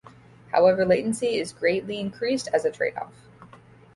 However, latency is greatly increased as a trade-off.